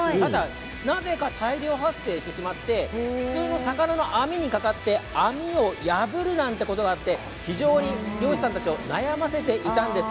なぜか大量発生してしまって普通の魚の網にかかって網を破るなんてことがあって非常に漁師さんたちを悩ませていたんです。